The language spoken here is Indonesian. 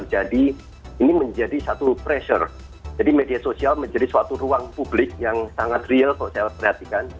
jadi media sosial menjadi suatu ruang publik yang sangat real kalau saya perhatikan